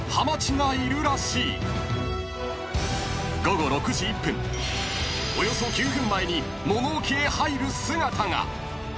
［午後６時１分およそ９分前に物置へ入る姿が］